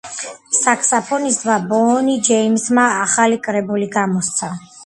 საქსაფონისტმა ბონი ჯეიმსმა ახალი კრებული გამოსცა.